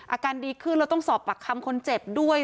อาการดีขึ้นแล้วต้องสอบปากคำคนเจ็บด้วย